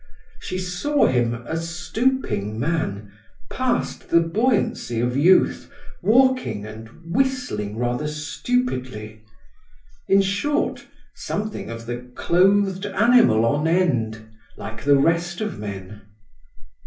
She saw him a stooping man, past the buoyancy of youth, walking and whistling rather stupidly—in short, something of the "clothed animal on end", like the rest of men.